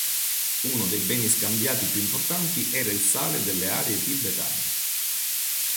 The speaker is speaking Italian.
Uno dei beni scambiati più importanti era il sale dalle aree tibetane.